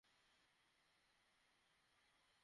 বেশ, ঠিক বলেছো।